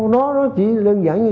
nó chỉ đơn giản như